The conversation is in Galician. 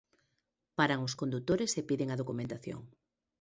Paran os condutores e piden a documentación.